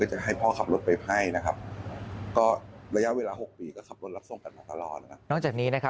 ก็คือจะ